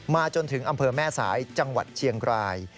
จนถึงอำเภอแม่สายจังหวัดเชียงราย